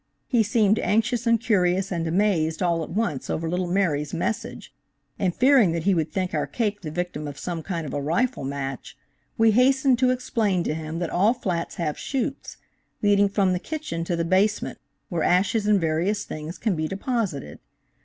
He seemed anxious and curious and amazed all at once over little Mary's message, and fearing that he would think our cake the victim of some kind of a rifle match, we hastened to explain to him that all flats have chutes, leading from the kitchen to the basement, where ashes and various things can be deposited.